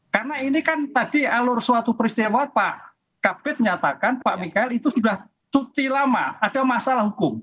karena ini kan tadi alur suatu peristiwa pak kapit menyatakan pak mikael itu sudah tuti lama ada masalah hukum